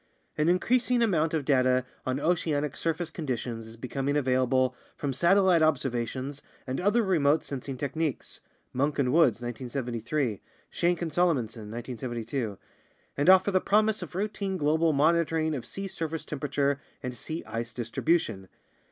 An increasing amount of data on oceanic surface conditions is becom ing available from satellite observations and other remote sensing techniques (Munk and Woods, 1973; Shenk and Salomonson, 1972) and offer the promise of routine global monitoring of sea surface tem perature and sea ice distribution.